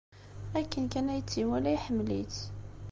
Akken kan ay tt-iwala, iḥemmel-itt.